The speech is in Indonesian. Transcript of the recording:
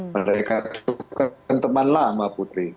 mereka itu bukan teman lama putri